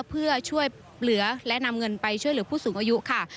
เพื่อช่วยเหลือและนำเงินไปช่วยเหลือผู้สูงอายุค่ะ